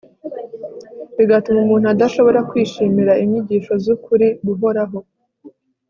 bigatuma umuntu adashobora kwishimira inyigisho z'ukuri guhoraho